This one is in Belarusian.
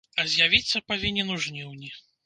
А з'явіцца павінен у жніўні.